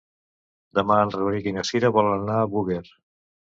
Demà en Rauric i na Cira volen anar a Búger.